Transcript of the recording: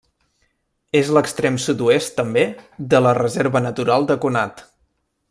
És l'extrem sud-oest també de la Reserva Natural de Conat.